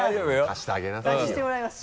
貸してもらいます